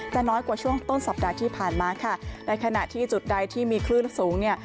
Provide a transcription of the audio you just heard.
น้อยกว่าช่วงต้นสัปดาห์ที่ผ่านมาค่ะในขณะที่จุดใดที่มีคลื่นสูงเนี่ย